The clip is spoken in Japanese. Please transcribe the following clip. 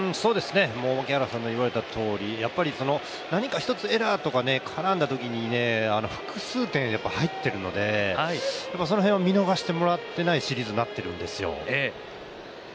槙原さんの言われたとおり、何か一つエラーとか絡んだときに複数点入っているので、その辺を見逃してもらってないシリーズになっているんですよ。